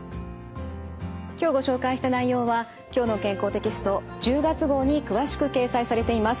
今日ご紹介した内容は「きょうの健康」テキスト１０月号に詳しく掲載されています。